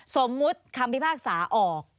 สมมุติคำพิพากษาออก